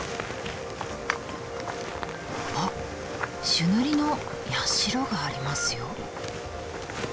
あっ朱塗りの社がありますよ。